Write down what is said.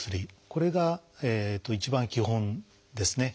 これが一番基本ですね。